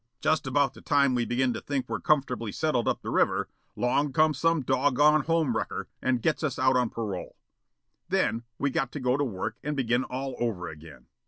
Just about the time we begin to think we're comfortably settled up the river, 'long comes some doggone home wrecker and gets us out on parole. Then we got to go to work and begin all over again.